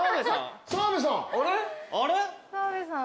澤部さんだ。